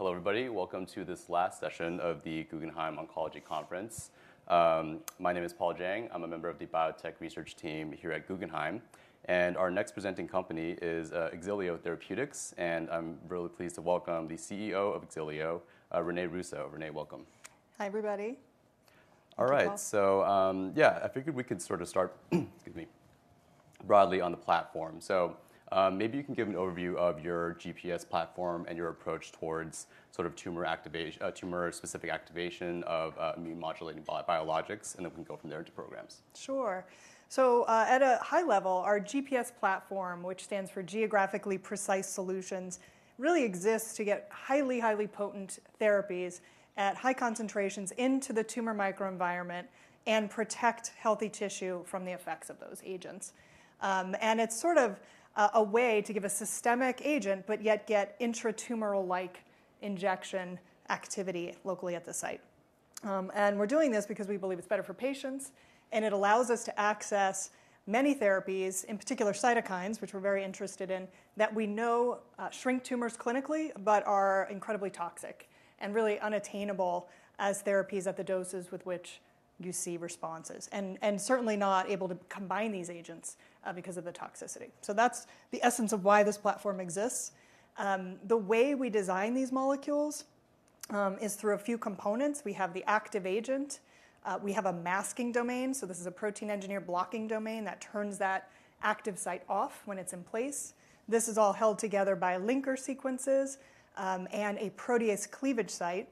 Hello everybody. Welcome to this last session of the Guggenheim Oncology Conference. My name is Paul Jeng. I'm a member of the biotech research team here at Guggenheim. Our next presenting company is Xilio Therapeutics. I'm really pleased to welcome the CEO of Xilio, René Russo. Rene, welcome. Hi, everybody. All right. Thank you, Paul Jeng. Yeah, I figured we could sort of start, excuse me, broadly on the platform. Maybe you can give an overview of your GPS platform and your approach towards sort of tumor-specific activation of immune modulating biologics, and then we can go from there into programs. Sure. At a high level, our GPS platform, which stands for geographically precise solutions, really exists to get highly potent therapies at high concentrations into the tumor microenvironment and protect healthy tissue from the effects of those agents. It's sort of a way to give a systemic agent, but yet get intra-tumoral like injection activity locally at the site. We're doing this because we believe it's better for patients, and it allows us to access many therapies, in particular cytokines, which we're very interested in, that we know shrink tumors clinically, but are incredibly toxic and really unattainable as therapies at the doses with which you see responses, and certainly not able to combine these agents because of the toxicity. That's the essence of why this platform exists. The way we design these molecules is through a few components. We have the active agent. We have a masking domain, so this is a protein engineer blocking domain that turns that active site off when it's in place. This is all held together by linker sequences, and a protease cleavage site.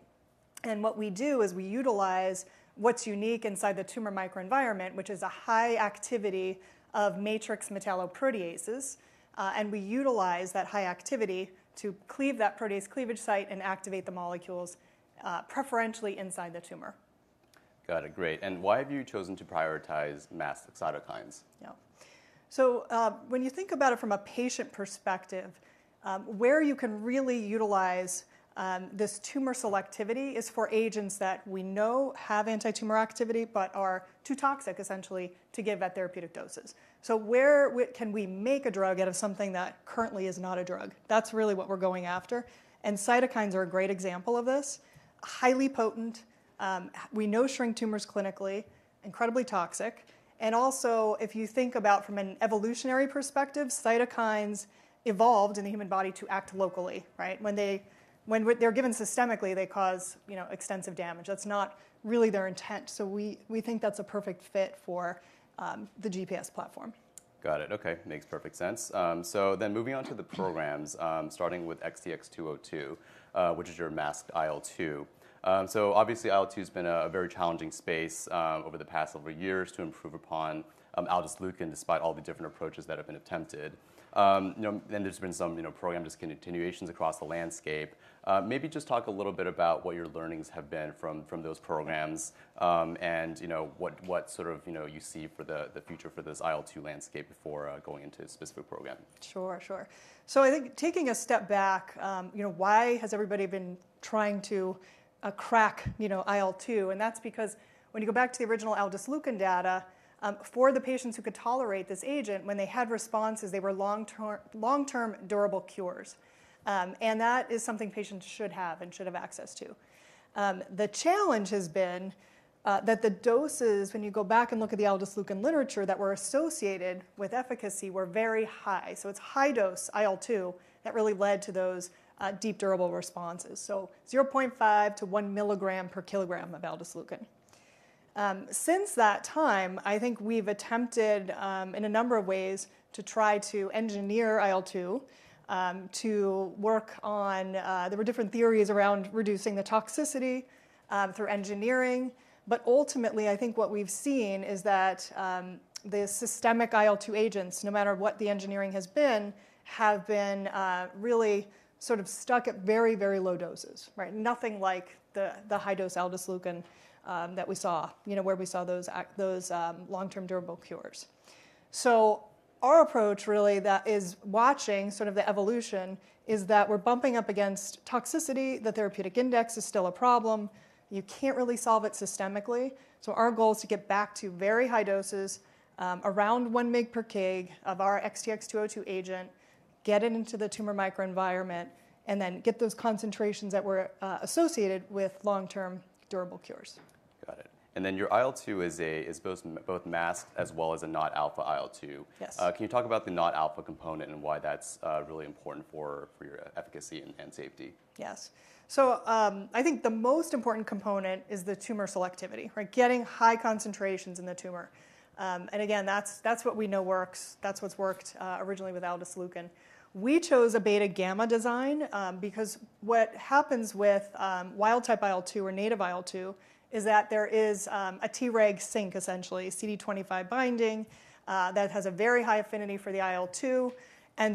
What we do is we utilize what's unique inside the tumor microenvironment, which is a high activity of matrix metalloproteinases, and we utilize that high activity to cleave that protease cleavage site and activate the molecules preferentially inside the tumor. Got it. Great. Why have you chosen to prioritize masked cytokines? When you think about it from a patient perspective, where you can really utilize this tumor selectivity is for agents that we know have anti-tumor activity, but are too toxic, essentially, to give at therapeutic doses. Where can we make a drug out of something that currently is not a drug? That's really what we're going after. Cytokines are a great example of this. Highly potent, we know shrink tumors clinically, incredibly toxic, and also, if you think about from an evolutionary perspective, cytokines evolved in the human body to act locally, right? When they're given systemically, they cause, you know, extensive damage. That's not really their intent. We think that's a perfect fit for the GPS platform. Got it. Okay. Makes perfect sense. Moving on to the programs, starting with XTX202, which is your masked IL-2. Obviously, IL-2's been a very challenging space over the past several years to improve upon aldesleukin, despite all the different approaches that have been attempted. You know, there's been some, you know, program discontinuations across the landscape. Maybe just talk a little bit about what your learnings have been from those programs, and you know, what sort of, you know, you see for the future for this IL-2 landscape before going into a specific program. Sure, sure. I think taking a step back, you know, why has everybody been trying to crack, you know, IL-2? That's because when you go back to the original aldesleukin data, for the patients who could tolerate this agent, when they had responses, they were long-term durable cures. That is something patients should have and should have access to. The challenge has been that the doses, when you go back and look at the aldesleukin literature that were associated with efficacy, were very high. It's high-dose IL-2 that really led to those deep durable responses, 0.5-1 milligram per kilogram of aldesleukin. Since that time, I think we've attempted in a number of ways to try to engineer IL-2 to work on, there were different theories around reducing the toxicity through engineering. Ultimately, I think what we've seen is that the systemic IL-2 agents, no matter what the engineering has been, have been really sort of stuck at very, very low doses, right? Nothing like the high-dose Aldesleukin that we saw, you know, where we saw those, um, long-term durable cures. Our approach really that is watching sort of the evolution is that we're bumping up against toxicity. The therapeutic index is still a problem. You can't really solve it systemically. Our goal is to get back to very high doses, around 1 mg per kg of our XTX202 agent, get it into the tumor microenvironment, and then get those concentrations that were associated with long-term durable cures. Got it. Your IL-2 is both masked as well as a non-alpha IL-2. Yes. Can you talk about the non-alpha component and why that's really important for your efficacy and safety? Yes. I think the most important component is the tumor selectivity, right? Getting high concentrations in the tumor. Again, that's what we know works. That's what's worked originally with aldesleukin. We chose a beta-gamma design because what happens with wild type IL-2 or native IL-2 is that there is a Treg sink, essentially, CD25 binding that has a very high affinity for the IL-2.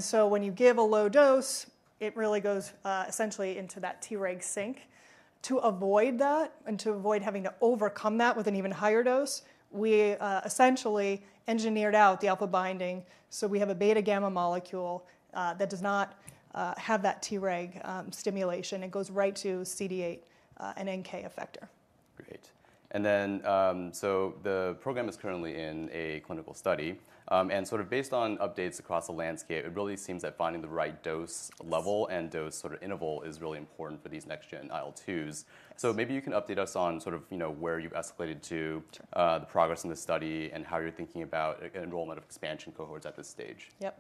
So when you give a low dose, it really goes essentially into that Treg sink. To avoid that and to avoid having to overcome that with an even higher dose, we essentially engineered out the alpha binding, so we have a beta-gamma molecule that does not have that Treg stimulation. It goes right to CD8 and NK effector. Great. The program is currently in a clinical study. Sort of based on updates across the landscape, it really seems that finding the right dose level. Yes Dose sort of interval is really important for these next gen IL-2s. Yes. Maybe you can update us on sort of, you know, where you've escalated to? Sure... the progress in the study, and how you're thinking about enrollment of expansion cohorts at this stage. Yep.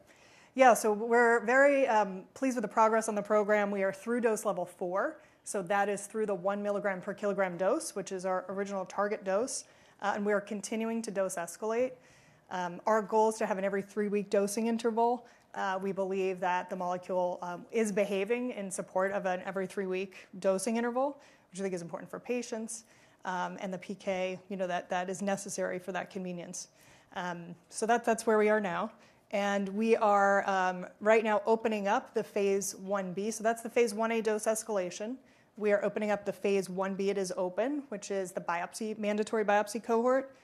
Yeah, we're very pleased with the progress on the program. We are through dose level 4, so that is through the 1 milligram per kilogram dose, which is our original target dose. We are continuing to dose escalate. Our goal is to have an every 3 week dosing interval. We believe that the molecule is behaving in support of an every 3 week dosing interval, which I think is important for patients, and the PK, you know, that is necessary for that convenience. That's where we are now. We are right now opening up the Phase 1B. That's the Phase 1A dose escalation. We are opening up the Phase 1B, it is open, which is the biopsy, mandatory biopsy cohort.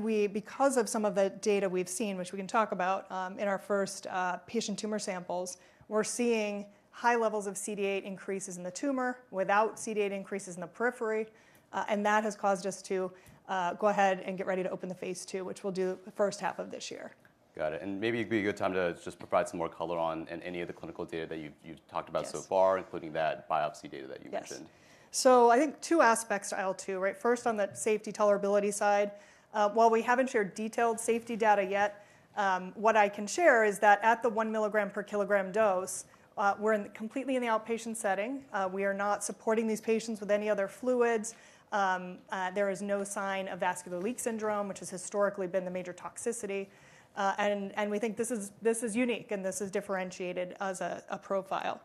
We, because of some of the data we've seen, which we can talk about, in our first patient tumor samples, we're seeing high levels of CD8 increases in the tumor without CD8 increases in the periphery, and that has caused us to go ahead and get ready to open the phase 2, which we'll do the first half of this year. Got it. Maybe it'd be a good time to just provide some more color on, in any of the clinical data that you've talked about so far. Yes... including that biopsy data that you mentioned. Yes. I think two aspects to IL-2, right? First, on the safety tolerability side, while we haven't shared detailed safety data yet, what I can share is that at the 1 milligram per kilogram dose, we're completely in the outpatient setting. We are not supporting these patients with any other fluids. There is no sign of vascular leak syndrome, which has historically been the major toxicity. We think this is unique and this is differentiated as a profile.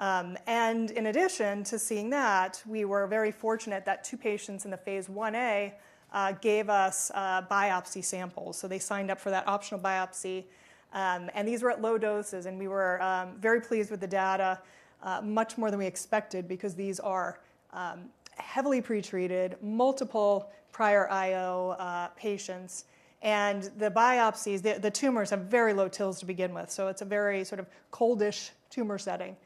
In addition to seeing that, we were very fortunate that 2 patients in the Phase 1A gave us biopsy samples. They signed up for that optional biopsy, and these were at low doses, and we were very pleased with the data, much more than we expected, because these are heavily pretreated, multiple prior IO patients. The biopsies, the tumors have very low TILs to begin with, so it's a very sort of coldish tumor setting.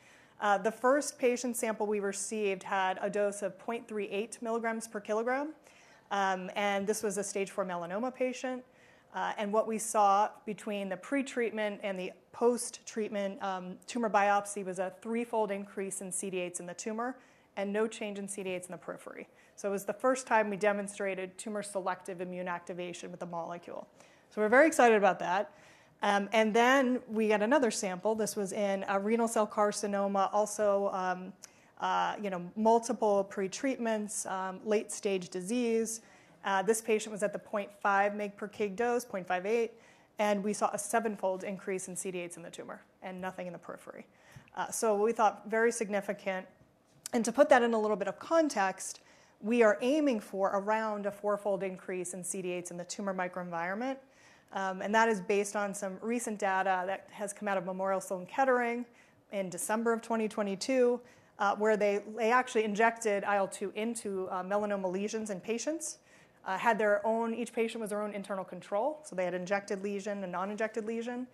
The first patient sample we received had a dose of 0.38 mg/kg, and this was a stage 4 melanoma patient. What we saw between the pretreatment and the post-treatment tumor biopsy was a 3-fold increase in CD8s in the tumor and no change in CD8s in the periphery. It was the first time we demonstrated tumor selective immune activation with the molecule. We're very excited about that. We got another sample. This was in a renal cell carcinoma, also, you know, multiple pretreatments, late stage disease. This patient was at the 0.5 mg per kg dose, 0.58, and we saw a sevenfold increase in CD8s in the tumor, and nothing in the periphery. We thought very significant. To put that in a little bit of context, we are aiming for around a fourfold increase in CD8s in the tumor microenvironment, and that is based on some recent data that has come out of Memorial Sloan Kettering in December of 2022, where they actually injected IL-2 into melanoma lesions in patients, Each patient was their own internal control, so they had injected lesion and non-injected lesion.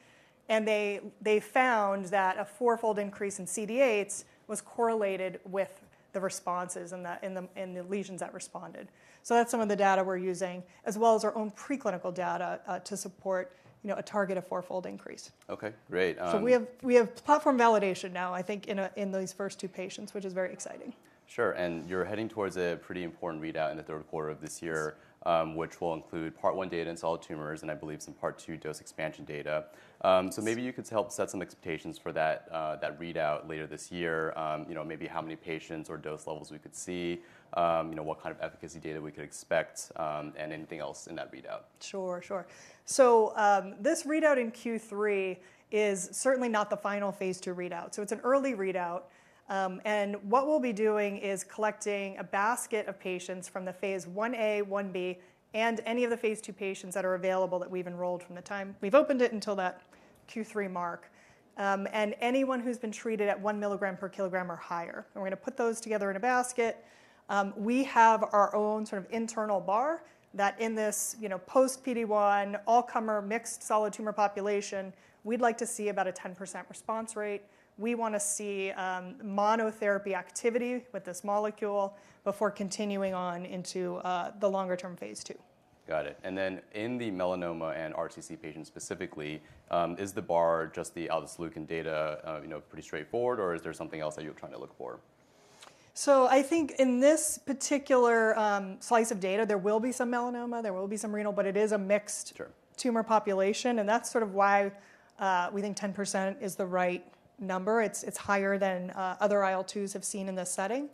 They found that a fourfold increase in CD8s was correlated with the responses in the lesions that responded. That's some of the data we're using, as well as our own preclinical data, to support, you know, a target of fourfold increase. Okay. Great. We have platform validation now, I think, in these first two patients, which is very exciting. Sure. You're heading towards a pretty important readout in the third quarter of this year, which will include Part One data in solid tumors, and I believe some Part Two dose expansion data. Yes Maybe you could help set some expectations for that readout later this year, you know, maybe how many patients or dose levels we could see, you know, what kind of efficacy data we could expect, and anything else in that readout? Sure. Sure. This readout in Q3 is certainly not the final phase two readout. It's an early readout. What we'll be doing is collecting a basket of patients from the phase 1A, 1B, and any of the phase two patients that are available that we've enrolled from the time we've opened it until that Q3 mark, and anyone who's been treated at one milligram per kilogram or higher, and we're gonna put those together in a basket. We have our own sort of internal bar that in this, you know, post PD-1, all-comer, mixed solid tumor population, we'd like to see about a 10% response rate. We wanna see monotherapy activity with this molecule before continuing on into the longer term phase two. Got it. Then in the melanoma and RCC patients specifically, is the bar just the aldesleukin data, you know, pretty straightforward, or is there something else that you're trying to look for? I think in this particular slice of data, there will be some melanoma, there will be some renal, but it is. Sure... tumor population, and that's sort of why, we think 10% is the right number. It's higher than, other IL-2s have seen in this setting.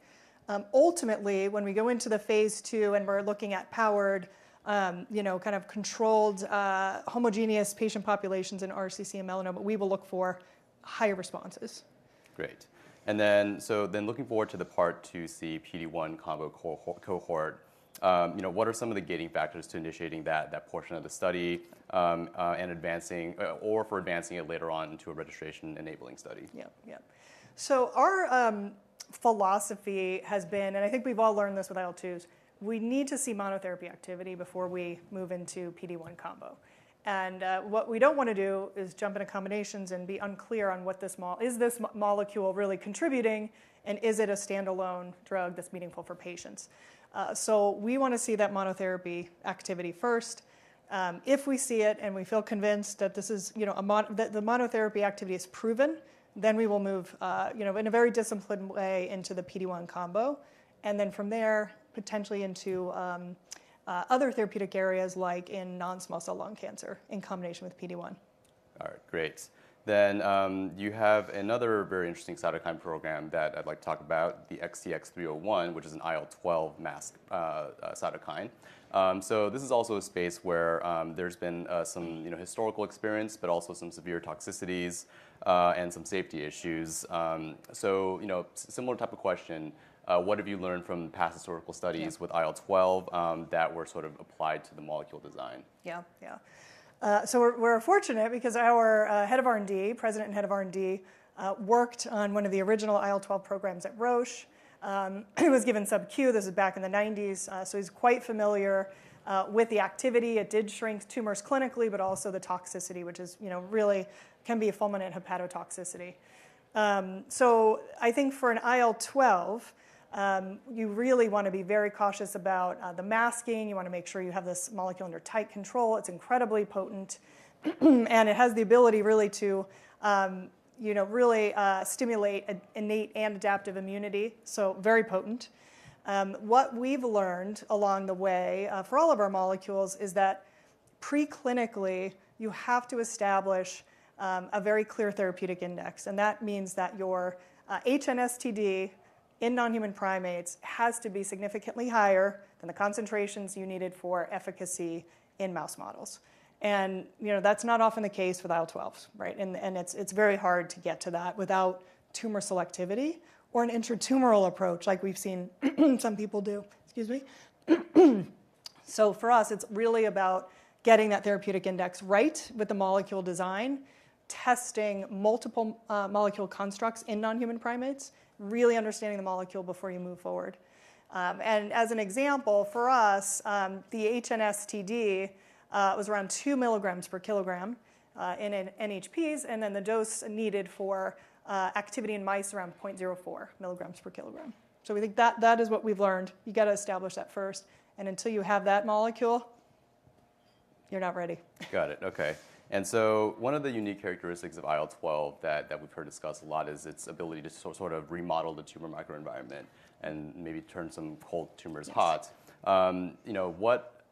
Ultimately, when we go into the phase 2 and we're looking at powered, you know, kind of controlled, homogeneous patient populations in RCC and melanoma, we will look for higher responses. Great. Looking forward to the part 2C PD-1 combo cohort, you know, what are some of the gating factors to initiating that portion of the study, and advancing, or for advancing it later on into a registration enabling study? Yeah. Yeah. Our philosophy has been, and I think we've all learned this with IL-2s, we need to see monotherapy activity before we move into PD-1 combo. What we don't wanna do is jump into combinations and be unclear on what this molecule really contributing, and is it a standalone drug that's meaningful for patients? We wanna see that monotherapy activity first. If we see it and we feel convinced that this is, you know, that the monotherapy activity is proven, then we will move, you know, in a very disciplined way into the PD-1 combo. From there, potentially into other therapeutic areas like in non-small cell lung cancer in combination with PD-1. All right. Great. You have another very interesting cytokine program that I'd like to talk about, the XTX301, which is an IL-12 mask cytokine. This is also a space where there's been some, you know, historical experience, but also some severe toxicities and some safety issues. You know, similar type of question, what have you learned from past historical studies? Yeah... with IL-12, that were sort of applied to the molecule design? Yeah. Yeah. We're fortunate because our head of R&D, president and head of R&D, worked on one of the original IL-12 programs at Roche. It was given sub-Q. This is back in the '90s. He's quite familiar with the activity. It did shrink tumors clinically, but also the toxicity, which is, you know, really can be a fulminant hepatotoxicity. I think for an IL-12, you really wanna be very cautious about the masking. You wanna make sure you have this molecule under tight control. It's incredibly potent, and it has the ability really to, you know, really stimulate innate and adaptive immunity. Very potent. What we've learned along the way, for all of our molecules is that preclinically, you have to establish a very clear therapeutic index, and that means that your HNSTD in non-human primates has to be significantly higher than the concentrations you needed for efficacy in mouse models. You know, that's not often the case with IL-12s, right? It's very hard to get to that without tumor selectivity or an intratumoral approach like we've seen some people do. For us, it's really about getting that therapeutic index right with the molecule design, testing multiple molecule constructs in non-human primates, really understanding the molecule before you move forward. As an example, for us, the HNSTD was around 2 milligrams per kilogram in NHPs, and then the dose needed for activity in mice around 0.04 milligrams per kilogram. We think that is what we've learned. You gotta establish that first, and until you have that molecule, you're not ready. Got it. Okay. One of the unique characteristics of IL-12 that we've heard discussed a lot is its ability to sort of remodel the tumor microenvironment and maybe turn some cold tumors hot. Yes. you know, what,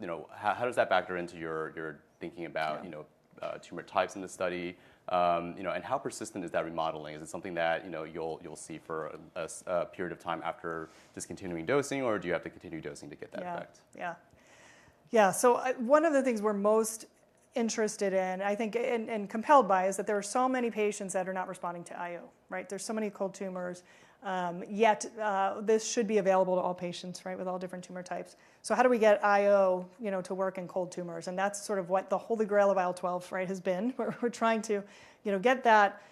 you know, how does that factor into your thinking about? Sure... you know, tumor types in the study? You know, how persistent is that remodeling? Is it something that, you know, you'll see for a period of time after discontinuing dosing, or do you have to continue dosing to get that effect? Yeah. Yeah. Yeah. one of the things we're most interested in, I think, and compelled by is that there are so many patients that are not responding to IO, right? There's so many cold tumors, yet, this should be available to all patients, right, with all different tumor types. How do we get IO, you know, to work in cold tumors? That's sort of what the holy grail of IL-12, right, has been, where we're trying to, you know, get that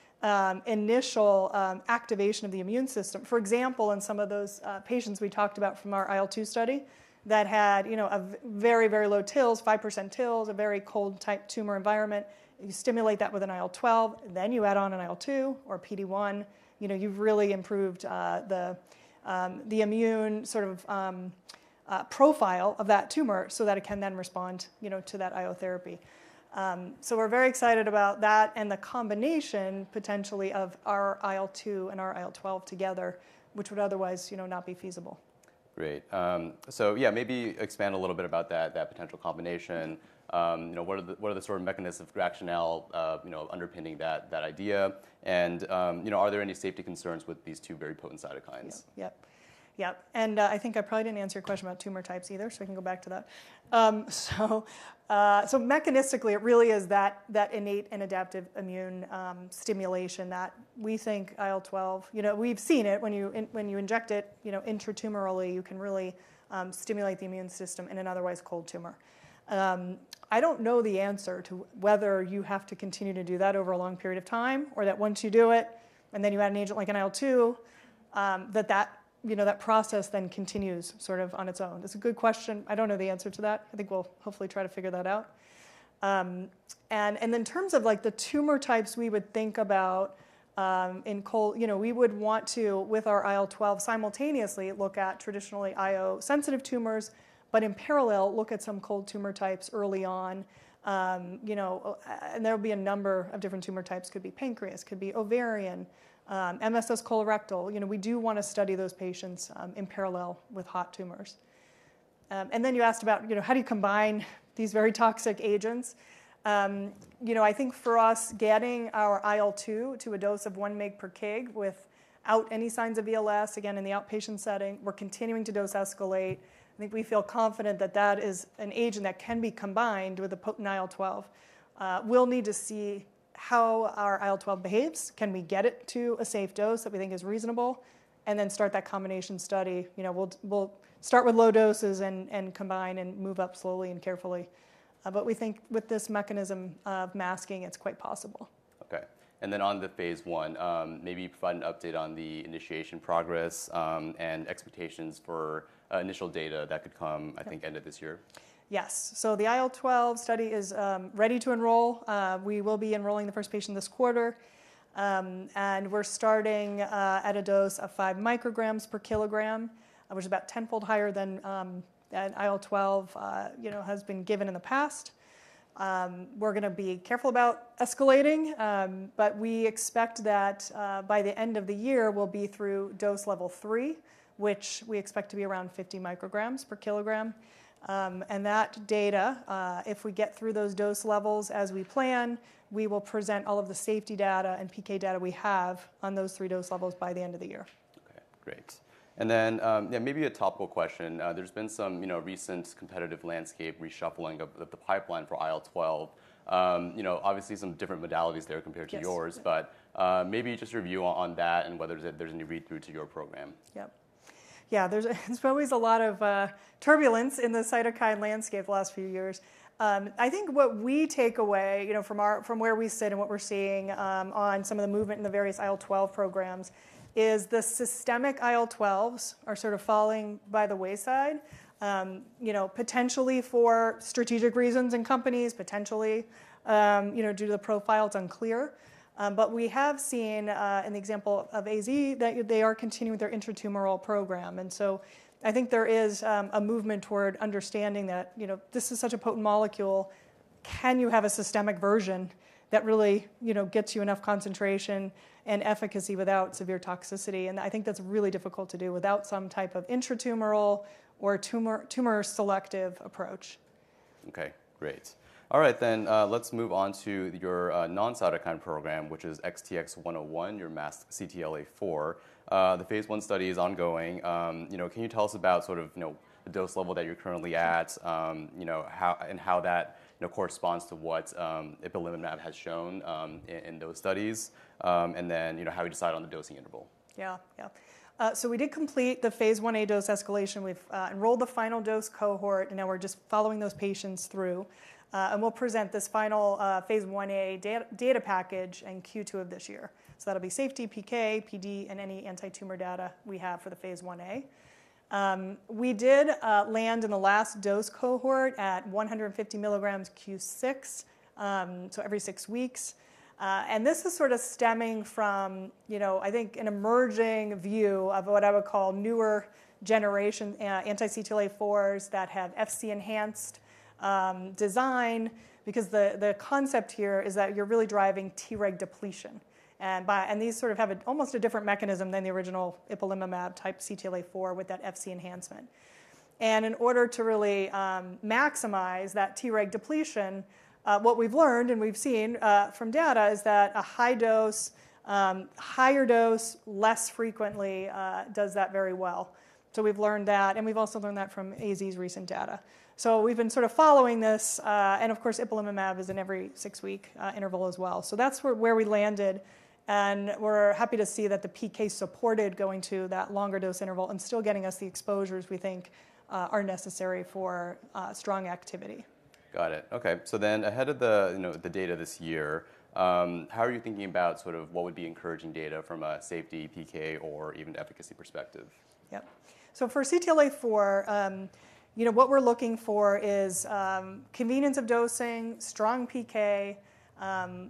initial activation of the immune system. For example, in some of those patients we talked about from our IL-2 study that had, you know, a very low TILs, 5% TILs, a very cold type tumor environment, you stimulate that with an IL-12, then you add on an IL-2 or PD-1, you know, you've really improved the immune sort of profile of that tumor so that it can then respond, you know, to that IO therapy. We're very excited about that and the combination potentially of our IL-2 and our IL-12 together, which would otherwise, you know, not be feasible. Great. Yeah, maybe expand a little bit about that potential combination. You know, what are the sort of mechanisms, rationale of, you know, underpinning that idea? You know, are there any safety concerns with these two very potent cytokines? Yeah. Yep. Yep. I think I probably didn't answer your question about tumor types either, so I can go back to that. So, mechanistically, it really is that innate and adaptive immune stimulation that we think IL-12... You know, we've seen it. When you inject it, you know, intratumorally, you can really stimulate the immune system in an otherwise cold tumor. I don't know the answer to whether you have to continue to do that over a long period of time, or that once you do it, and then you add an agent like an IL-2, that that, you know, that process then continues sort of on its own. That's a good question. I don't know the answer to that. I think we'll hopefully try to figure that out. In terms of, like, the tumor types we would think about, you know, we would want to, with our IL-12, simultaneously look at traditionally IO-sensitive tumors, but in parallel, look at some cold tumor types early on. You know, there would be a number of different tumor types. Could be pancreas, could be ovarian, MSS colorectal. You know, we do wanna study those patients in parallel with hot tumors. You asked about, you know, how do you combine these very toxic agents. You know, I think for us, getting our IL-2 to a dose of 1 mg per kg without any signs of VLS, again, in the outpatient setting, we're continuing to dose escalate. I think we feel confident that that is an agent that can be combined with an IL-12. We'll need to see how our IL-12 behaves. Can we get it to a safe dose that we think is reasonable? Then start that combination study. You know, we'll start with low doses and combine, and move up slowly and carefully. We think with this mechanism of masking, it's quite possible. Okay. On the phase 1, maybe provide an update on the initiation progress, and expectations for initial data that could come... Okay I think end of this year. Yes. The IL-12 study is ready to enroll. We will be enrolling the first patient this quarter. We're starting at a dose of 5 micrograms per kilogram, which is about 10-fold higher than an IL-12, you know, has been given in the past. We're gonna be careful about escalating. We expect that by the end of the year, we'll be through dose level 3, which we expect to be around 50 micrograms per kilogram. That data, if we get through those dose levels as we plan, we will present all of the safety data and PK data we have on those 3 dose levels by the end of the year. Okay. Great. Yeah, maybe a topical question. There's been some, you know, recent competitive landscape reshuffling of the pipeline for IL-12. You know, obviously, some different modalities there. Yes... yours. Maybe just review on that and whether there's any read-through to your program. Yep. Yeah. There's always a lot of turbulence in the cytokine landscape the last few years. I think what we take away, you know, from where we sit and what we're seeing on some of the movement in the various IL-12 programs is the systemic IL-12s are sort of falling by the wayside. You know, potentially for strategic reasons in companies, potentially, you know, due to the profile, it's unclear. We have seen in the example of AZ that they are continuing their intratumoral program. I think there is a movement toward understanding that, you know, this is such a potent molecule, can you have a systemic version that really, you know, gets you enough concentration and efficacy without severe toxicity? I think that's really difficult to do without some type of intratumoral or tumor-selective approach. Okay. Great. All right, let's move on to your non-cytokine program, which is XTX101, your masked CTLA-4. The phase 1 study is ongoing. You know, can you tell us about sort of, you know, the dose level that you're currently at, you know, how, and how that, you know, corresponds to what ipilimumab has shown in those studies, you know, how you decide on the dosing interval? Yeah. Yeah. So we did complete the Phase 1A dose escalation. We've enrolled the final dose cohort, and now we're just following those patients through. We'll present this final Phase 1A data package in Q2 of this year. That'll be safety, PK, PD, and any antitumor data we have for the Phase 1A. We did land in the last dose cohort at 150 milligrams Q6, so every six weeks. This is sort of stemming from, you know, I think an emerging view of what I would call newer generation anti-CTLA-4s that have Fc-enhanced design because the concept here is that you're really driving Treg depletion. These sort of have almost a different mechanism than the original ipilimumab type CTLA-4 with that Fc-enhancement. In order to really maximize that Treg depletion, what we've learned and we've seen from data is that a high dose, higher dose less frequently, does that very well. We've learned that, and we've also learned that from AZ's recent data. We've been sort of following this, and of course, ipilimumab is in every six-week interval as well. That's where we landed, and we're happy to see that the PK supported going to that longer dose interval and still getting us the exposures we think are necessary for strong activity. Got it. Okay. Ahead of the, you know, the data this year, how are you thinking about sort of what would be encouraging data from a safety, PK, or even efficacy perspective? For CTLA-4, you know, what we're looking for is convenience of dosing, strong PK.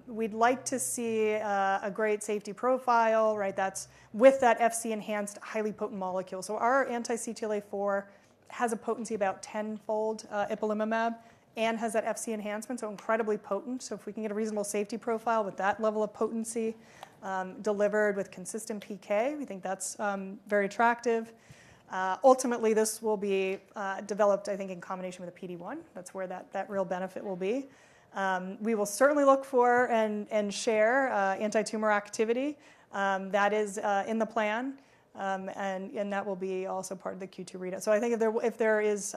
We'd like to see a great safety profile, right? That's with that Fc-enhanced highly potent molecule. Our anti-CTLA-4 has a potency about tenfold ipilimumab and has that Fc enhancement, so incredibly potent. If we can get a reasonable safety profile with that level of potency, delivered with consistent PK, we think that's very attractive. Ultimately, this will be developed, I think, in combination with a PD-1. That's where that real benefit will be. We will certainly look for and share antitumor activity. That is in the plan, and that will be also part of the Q2 readout. I think if there is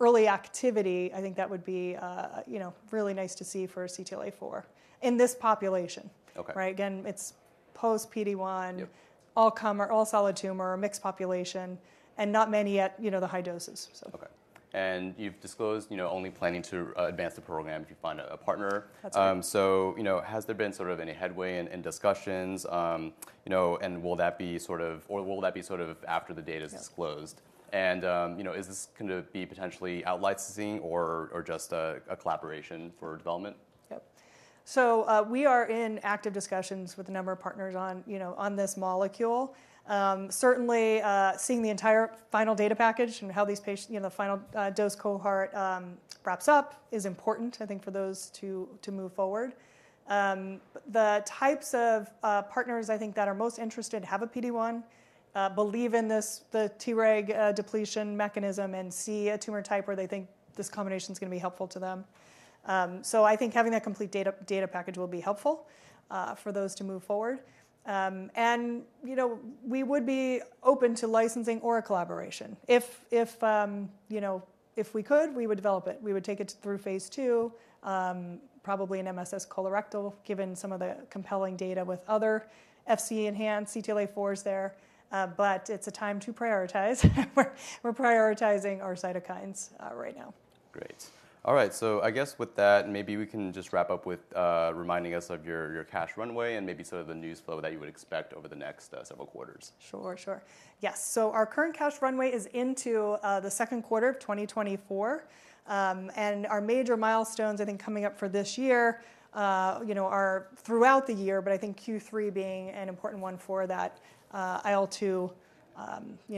early activity, I think that would be, you know, really nice to see for CTLA-4 in this population. Okay. Right? Again, it's post PD-1- Yep all come or all solid tumor, mixed population, and not many at, you know, the high doses, so. Okay. You've disclosed, you know, only planning to advance the program if you find a partner. That's right. you know, has there been sort of any headway in discussions, you know, will that be sort of after the data's-? Yeah... disclosed? you know, is this gonna be potentially out-licensing or just a collaboration for development? Yep. We are in active discussions with a number of partners on, you know, on this molecule. Certainly, seeing the entire final data package and how these patient, you know, the final dose cohort wraps up is important, I think, for those to move forward. The types of partners I think that are most interested have a PD-1, believe in this the T reg depletion mechanism and see a tumor type where they think this combination's gonna be helpful to them. I think having that complete data package will be helpful, for those to move forward. You know, we would be open to licensing or a collaboration. If, you know, if we could, we would develop it. We would take it through phase 2, probably an MSS colorectal, given some of the compelling data with other Fc-enhanced CTLA-4s there. It's a time to prioritize. We're prioritizing our cytokines, right now. Great. All right. I guess with that, maybe we can just wrap up with, reminding us of your cash runway and maybe sort of the news flow that you would expect over the next, several quarters. Sure. Sure. Yes. Our current cash runway is into the second quarter of 2024. Our major milestones, I think, coming up for this year, you know, are throughout the year, but I think Q3 being an important one for that IL-2, you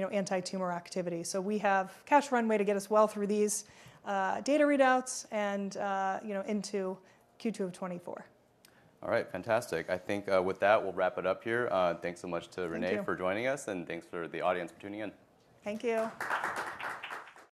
know, antitumor activity. We have cash runway to get us well through these data readouts and, you know, into Q2 of 2024. All right. Fantastic. I think, with that, we'll wrap it up here. thanks so much to René- Thank you.... for joining us, and thanks for the audience for tuning in. Thank you.